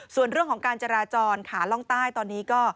ส่วนเรื่องของการจราจรขาล่องใต้ตอนนี้ก็